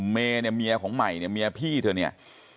เมย์เนี่ยเมียของใหม่เนี่ยเมียพี่เธอเนี่ย